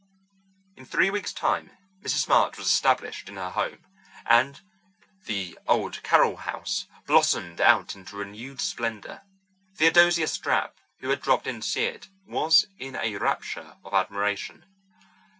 In three weeks' time Mrs. March was established in her new home, and the "old Carroll house" blossomed out into renewed splendour. Theodosia Stapp, who had dropped in to see it, was in a rapture of admiration.